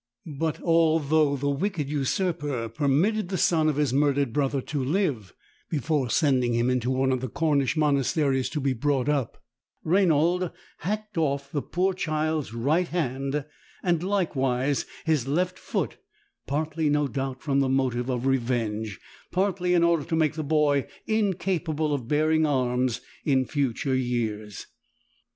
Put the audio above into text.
But although the wicked usurper permitted the son of his murdered brother to live, before sending him into one of the Cornish monasteries to be brought up, Rainald hacked off the poor child's right hand and likewise his left foot — partly, no doubt, from the motive of revenge, partly in order to make the boy incapable of bearing arms in future years.